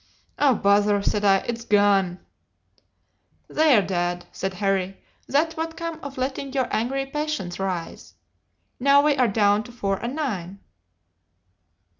"'Oh, bother,' said I, 'it's gone.' "'There, Dad,' said Harry, 'that's what comes of letting your angry passions rise; now we are down to four and nine.